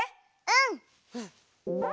うん！